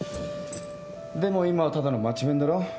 でも今はただの町弁だろ？